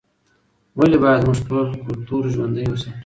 ولې باید موږ خپل کلتور ژوندی وساتو؟